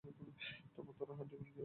যখন তার হাড্ডিগুলো জোড়া লাগবে।